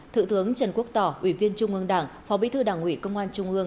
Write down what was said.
thượng thướng trần quốc tỏ ủy viên trung ương đảng phó bí thư đảng ủy công an trung ương